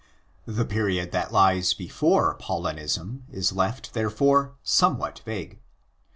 The period that lies before Paulinism is left, therefore, somewhat vague.